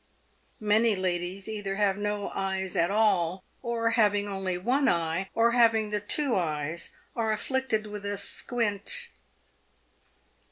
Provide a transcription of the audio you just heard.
Many ladies either have no eyes at all, or have only one eye, or having the two eyes are afflicted with a squint.